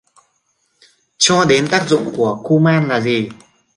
Cho đến tác dụng của kuman là gì